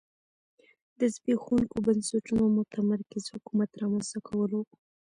د زبېښونکو بنسټونو او متمرکز حکومت رامنځته کول و